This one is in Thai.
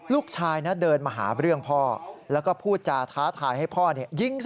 ลูกชายนะเดินมาหาเรื่องพ่อแล้วก็พูดจาท้าทายให้พ่อยิง